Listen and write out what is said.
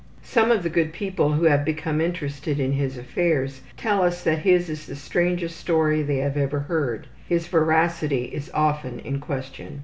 Some of the good people who have become interested in his affairs tell us that his is the strangest story they have ever heard. His veracity is often in question.